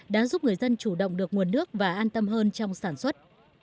đã giúp người dân chủ động được nguồn nước và an tâm hơn trong sản xuất